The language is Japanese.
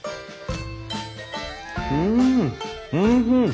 うんおいしい！